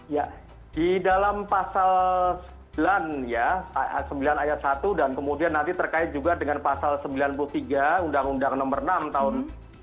ya di dalam pasal sembilan ya sembilan ayat satu dan kemudian nanti terkait juga dengan pasal sembilan puluh tiga undang undang nomor enam tahun dua ribu dua